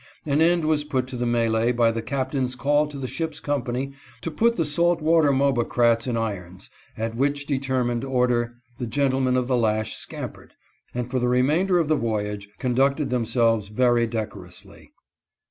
An end was put to the melee by the captain's call to the ship's company to put the salt water mobocrats in irons, at which determined order the gentlemen of the lash scam pered, and for the remainder of the voyage conducted themselves very decorously.